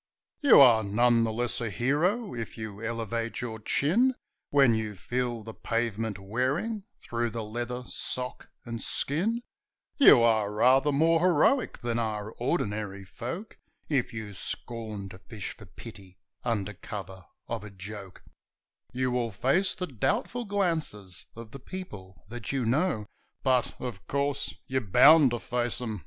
You are none the less a hero if you elevate your chin When you feel the pavement wearing through the leather, sock and skin; You are rather more heroic than are ordinary folk If you scorn to fish for pity under cover of a joke; You will face the doubtful glances of the people that you know ; But of course, you're bound to face them when your pants begin to go.